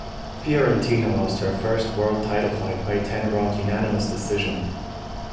Fiorentino lost her first world title fight by a ten-round unanimous decision.